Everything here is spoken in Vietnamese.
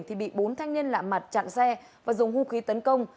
thì bị bốn thanh niên lạ mặt chặn xe và dùng hung khí tấn công